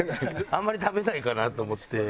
あんまり食べないかなと思って。